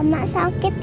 oma sakit ya